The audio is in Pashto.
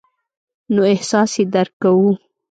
نو احساس یې درک کوو.